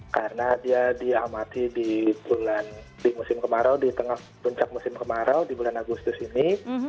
karena dia diamati di musim kemarau di tengah puncak musim kemarau di bulan agustus ini